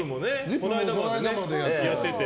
この間までやってて。